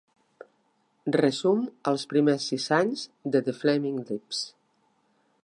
Resum els primers sis anys de The Flaming Lips.